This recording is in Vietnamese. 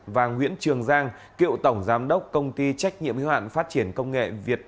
và nguyễn trường giang cựu tổng giám đốc công ty trách nhiệm hữu hạn phát triển công nghệ